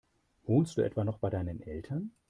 Wohnst du etwa noch bei deinen Eltern?